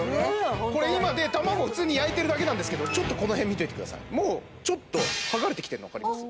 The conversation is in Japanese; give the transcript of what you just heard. ホントこれ今卵普通に焼いてるだけなんですけどちょっとこの辺見ておいてくださいもうちょっとはがれてきてるのわかります？